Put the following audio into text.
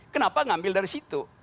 kenapa ngambil dari situ